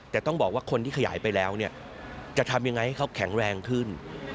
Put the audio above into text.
แต่ต้องบอกว่าคนที่ขยายไปแล้วเนี่ยจะทำยังไงให้เขาแข็งแรงขึ้น